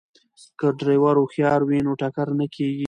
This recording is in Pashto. که ډریور هوښیار وي نو ټکر نه کیږي.